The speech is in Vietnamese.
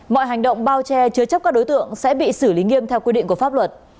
mọi hành động bao che chứa chấp các đối tượng sẽ bị xử lý nghiêm theo quy định của pháp luật